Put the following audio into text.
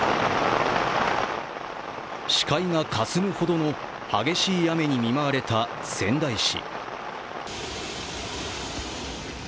視界がかすむほどの激しい雨に見舞われた仙台市。